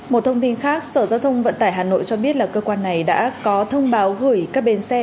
một thông tin khác sở giao thông vận tải hà nội cho biết là cơ quan này đã có thông báo gửi các bến xe